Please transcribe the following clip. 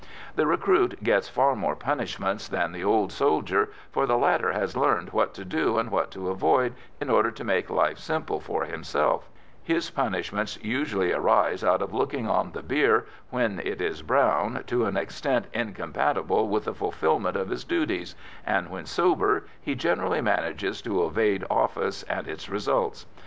The recruit gets far more punishments than the old soldier, for the latter has learned what to do and what to avoid, in order to make life simple for himself; his punishments usually arise out of looking on the beer when it is brown to an extent incompatible with the fulfilment of his duties, and, when sober, he generally manages to evade "office" and its results.